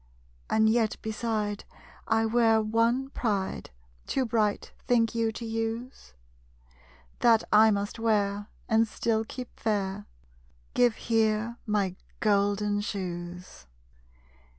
And yet beside, I wear one pride Too bright, think you, to use? That I must wear, and still keep fair. Give here my golden shoes.